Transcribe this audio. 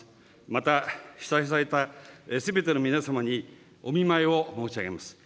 また、被災されたすべての皆様にお見舞いを申し上げます。